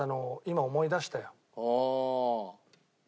今思い出したよ。